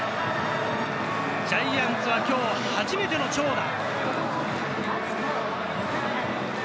ジャイアンツは今日初めての長打。